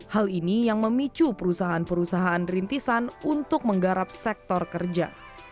hal ini yang memicu perusahaan perusahaan rintisan untuk menggarap sektor kerja